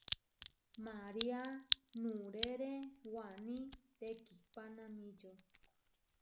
María nuʼrére Waní tekihpanamíčio.